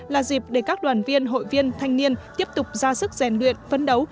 là dịp để các đoàn viên hội viên thanh niên tiếp tục ra sức rèn luyện phấn đấu